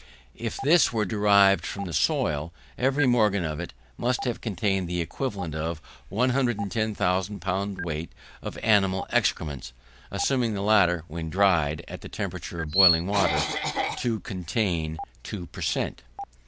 If this were derived from the soil, every morgen of it must have contained the equivalent of 110,000 pounds weight of animal excrements (assuming the latter, when dried, at the temperature of boiling water, to contain 2 per cent.).